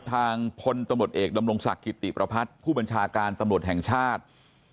ทางพลตำรวจเอกดำรงศักดิ์กิติประพัฒน์ผู้บัญชาการตำรวจแห่งชาติ